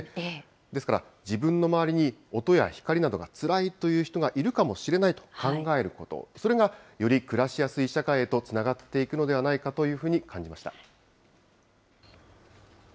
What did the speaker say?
ですから、自分の周りに音や光などがつらいという人がいるかもしれないと考えること、それがより暮らしやすい社会へとつながっていくのではないかというふうに感じました。